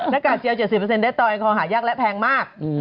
นากาศเจียว๗๐เด็บตอนแอลกอฮอล์หายากและแพงมาก